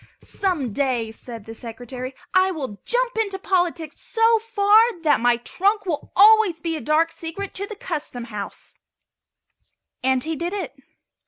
"Some day," said the Secretary, "I will jump into politics so far that my trunk will always be a dark secret to the Custom Housers!" And he did it.